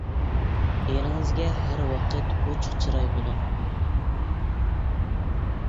ئېرىڭىزگە ھەر ۋاقىت ئوچۇق چىراي بولۇڭ.